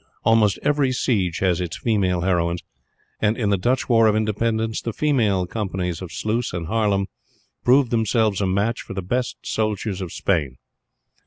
Almost every siege has its female heroines, and in the Dutch War of Independence the female companies at Sluys and Haarlem proved themselves a match for the best soldiers of Spain.